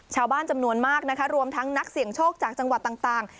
ชาวบ้านจำนวนมากนะคะรวมทั้งนักเสี่ยงโชคจากจังหวัดต่าง